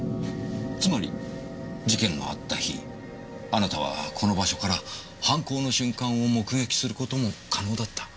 つまり事件のあった日あなたはこの場所から犯行の瞬間を目撃する事も可能だった。